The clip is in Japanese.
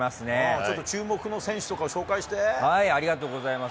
ちょっと注目の選手とかを紹ありがとうございます。